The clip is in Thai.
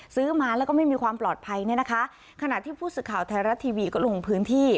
ซื้อมาแล้วก็ไม่มีความปลอดภัยเนี่ยนะคะขณะที่ผู้สื่อข่าวไทยรัฐทีวีก็ลงพื้นที่